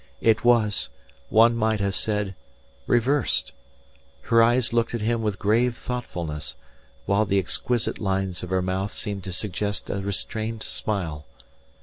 It was, one might have said, reversed. Her eyes looked at him with grave thoughtfulness, while the exquisite lines of her mouth seemed to suggest a restrained smile.